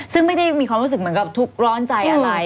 ซึ่งไม่ได้มีความรู้สึกมีทุกข์ร้อนใจอะไร